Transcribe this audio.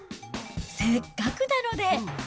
せっかくなので。